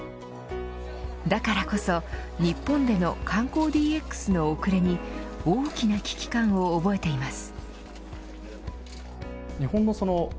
だからこそ日本での観光ＤＸの遅れに大きな危機感を覚えています。